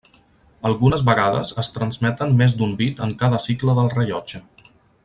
Algunes vegades es transmeten més d'un bit en cada cicle del rellotge.